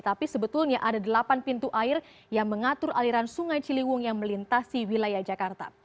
tapi sebetulnya ada delapan pintu air yang mengatur aliran sungai ciliwung yang melintasi wilayah jakarta